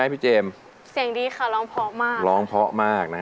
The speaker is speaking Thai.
เสียงดีค่ะร้องเพาะมาก